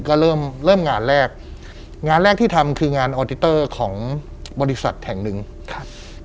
ก็เริ่มเริ่มงานแรกงานแรกที่ทำคืองานออติเตอร์ของบริษัทแห่งหนึ่งครับ